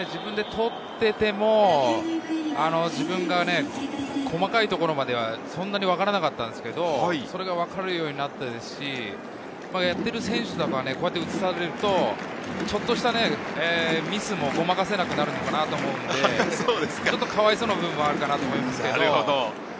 自分で撮っていても細かいところまでは、そんなにわからなかったんですけれど、それが分かるようになっていますし、選手はこうやって映されると、ちょっとしたミスもごまかせなくなるのかなと思うので、ちょっとかわいそうな部分もあるかなと思います。